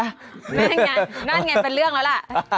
นั่นไงเป็นเรื่องแล้วล่ะ